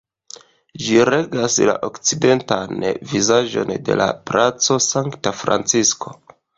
Ĝi regas la okcidentan vizaĝon de la Placo Sankta Francisko.